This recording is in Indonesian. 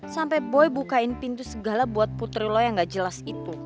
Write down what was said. sampai boy bukain pintu segala buat putri lo yang gak jelas itu